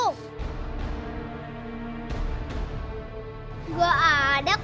gak ada kok